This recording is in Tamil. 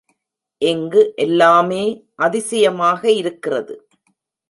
இங்கு எல்லாமே அதிசயமாக இருக்கிறது.